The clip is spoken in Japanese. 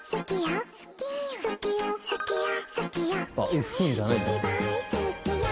「うっふん」じゃないんだ。